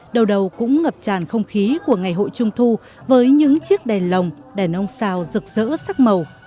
đầu đầu cũng ngập tràn không khí của ngày hội trung thu với những chiếc đèn lồng đèn ông sao rực rỡ sắc màu